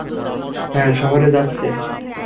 হ্যাঁ, শহরে যাচ্ছে।